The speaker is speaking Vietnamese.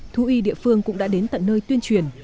thú y địa phương cũng đã đến tận nơi tuyên truyền